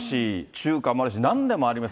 中華もあるし、なんでもあります。